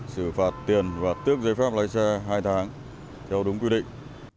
xử phạt tiền và tước giấy phép lái xe hai tháng theo đúng quy định